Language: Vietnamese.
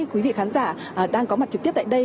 quý vị khán giả đang có mặt trực tiếp tại đây